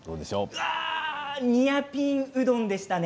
ニアピンうどんでしたね。